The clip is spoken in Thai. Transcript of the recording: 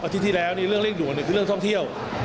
อาทิตย์ที่แล้วเรื่องเร่งด่วนหนึ่งคือเรื่องท่องเที่ยว